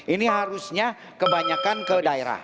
ini harusnya kebanyakan ke daerah